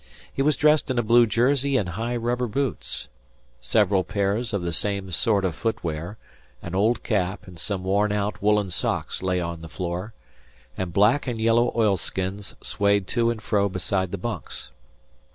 He was dressed in a blue jersey and high rubber boots. Several pairs of the same sort of foot wear, an old cap, and some worn out woollen socks lay on the floor, and black and yellow oilskins swayed to and fro beside the bunks.